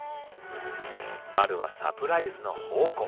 バルはサプライズの宝庫。